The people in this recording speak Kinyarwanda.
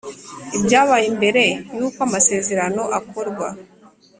Ibyabaye mbere y uko amasezerano akorwa